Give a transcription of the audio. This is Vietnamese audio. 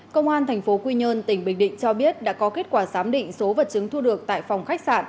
công an tp quy nhơn tỉnh bình định cho biết đã có kết quả giám định số vật chứng thu được tại phòng khách sạn